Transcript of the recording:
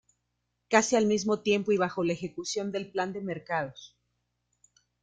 Casi al mismo tiempo y bajo la ejecución del Plan de Mercados.